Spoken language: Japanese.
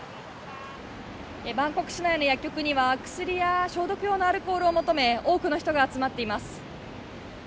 バンコク市内の薬局には、薬や消毒用のアルコールを求め、多くの人が集まっています。